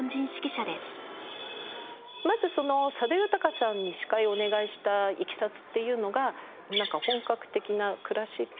まず佐渡裕さんに司会をお願いしたいきさつっていうのが本格的なクラシックのね